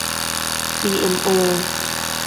ซีเอ็มโอ